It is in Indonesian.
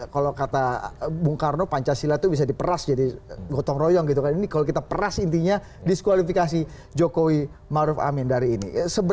kalau kata bung karno pancasila itu bisa diperas jadi gotong royong gitu kan ini kalau kita peras intinya diskualifikasi jokowi maruf amin dari ini